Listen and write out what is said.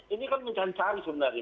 ini kan mencari cari sebenarnya